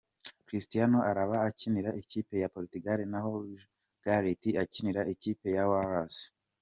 Cristiano araba akinira ikipe ya Portugal na ho Gareth akinira ikipe ya Wales.